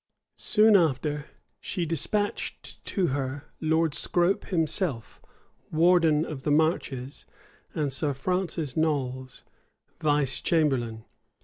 Soon after, she despatched to her Lord Scrope himself, warden of the marches, and Sir Francis Knolles, vice chamberlain.